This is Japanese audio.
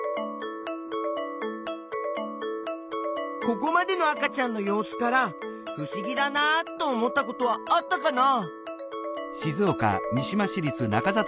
ここまでの赤ちゃんの様子からふしぎだなと思ったことはあったかな？